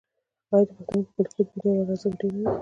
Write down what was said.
آیا د پښتنو په کلتور کې د ملي یووالي ارزښت ډیر نه دی؟